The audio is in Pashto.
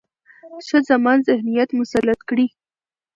ښځمن ذهنيت مسلط کړي،